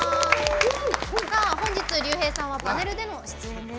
本日、ＲＹＵＨＥＩさんはパネルでの出演です。